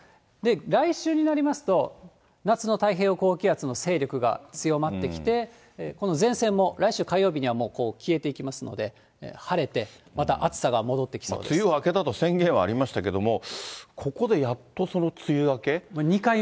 来週になりますと、夏の太平洋高気圧の勢力が強まってきて、この前線も、来週火曜日には消えていきますので、晴れて、梅雨は明けたと宣言はありましたけれども、ここでやっとその梅雨明け。